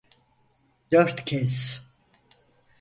Dört kez.